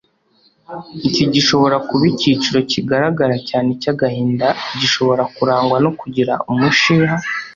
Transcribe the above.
Iki gishobora kuba icyiciro kigaragara cyane cy’agahinda gishobora kurangwa no kugira umushiha